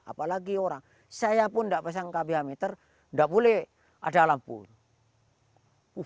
apalagi orang saya pun tidak pasang kbh meter tidak boleh ada lampunya